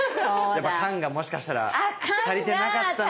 やっぱ肝がもしかしたらたりてなかった。